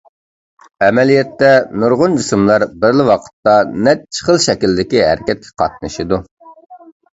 ئەمەلىيەتتە، نۇرغۇن جىسىملار بىرلا ۋاقىتتا نەچچە خىل شەكىلدىكى ھەرىكەتكە قاتنىشىدۇ.